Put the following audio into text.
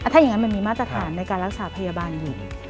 ถ้าอย่างนั้นมันมีมาตรฐานในการรักษาพยาบาลอยู่